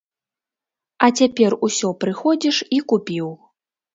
А цяпер усё прыходзіш і купіў.